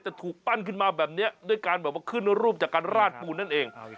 ถูกปั้นขึ้นมาแบบนี้ด้วยการแบบว่าขึ้นรูปจากการราดปูนนั่นเอง